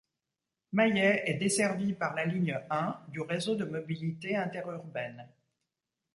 Maillet est desservie par la ligne I du Réseau de mobilité interurbaine.